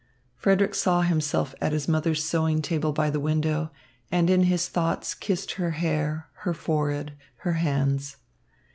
Frederick saw himself at his mother's sewing table by the window, and in his thoughts kissed her hair, her forehead, her hands.